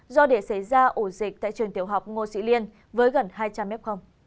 do để xảy ra ổ dịch tại trường tiểu học ngô sĩ liên với gần hai trăm linh m